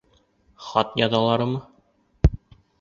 Хат яҙалармы?